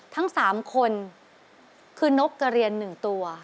ทั้งสามคนคือนกกระเรียนหนึ่งตัว